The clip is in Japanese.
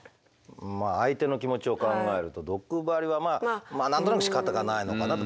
まあ相手の気持ちを考えると毒針はまあまあ何となくしかたがないのかなと。